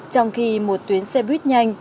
trong khi một tuyến xe buýt nhanh